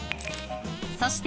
［そして］